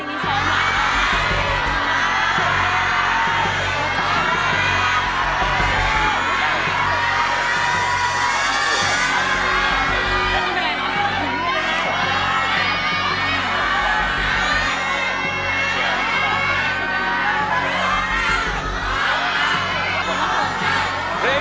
เพลงที่๓มูลค่า๔๐๐๐๐บาทนับขิงร้อง